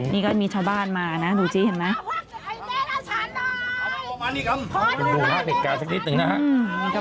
นี่ก็มีชาวบ้านมานะดูสิเห็นไหม